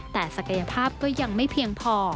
แต่ศักยภาพก็ยังไม่เพียงพอ